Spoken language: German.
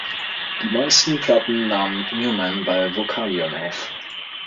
Die meisten Platten nahm Newman bei Vocalion auf.